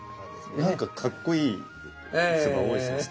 なんかかっこいいやつが多いですね。